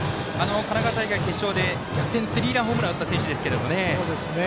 神奈川大会決勝でスリーランホームラン打った選手ですけどね。